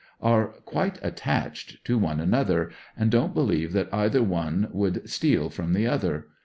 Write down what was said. Are quite attached to one another, and don't believe that either one would steal from the other.